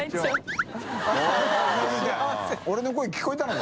俺の声聞こえたのかな？